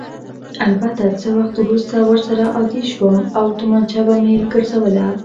البته څه وخت وروسته ورسره عادي شوم او تومانچه به مې ګرځوله.